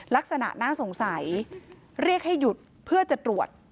ลักษณะน่าสงสัยเรียกให้หยุดเพื่อจะตรวจ